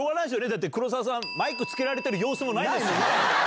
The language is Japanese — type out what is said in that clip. だって、黒沢さん、マイク付けられてる様子もないですもんね。